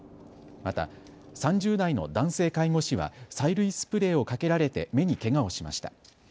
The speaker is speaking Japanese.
また、３０代の男性介護士は催涙スプレーをかけられて目にけがをしました。